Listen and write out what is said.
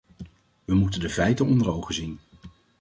We moeten de feiten onder ogen zien.